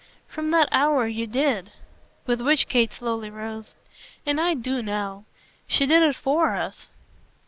From that hour you DID." With which Kate slowly rose. "And I do now. She did it FOR us."